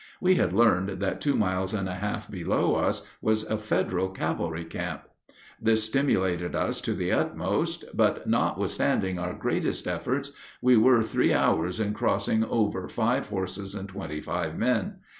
We had learned that two miles and a half below us was a Federal cavalry camp. This stimulated us to the utmost, but notwithstanding our greatest efforts we were three hours in crossing over five horses and twenty five men.